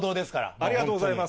ありがとうございます。